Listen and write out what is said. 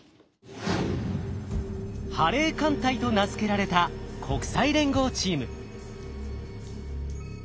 ハレー艦隊と名付けられた国際連合チーム。